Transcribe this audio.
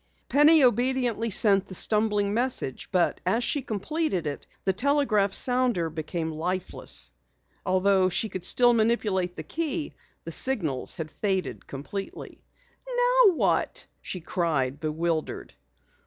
Penny obediently sent the stumbling message, but as she completed it the telegraph sounder became lifeless. Although she still could manipulate the key, the signals had faded completely. "Now what?" she cried, bewildered.